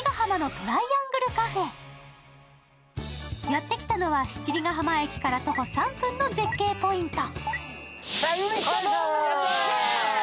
やってきたのは七里ヶ浜駅から徒歩３分の絶景ポイント。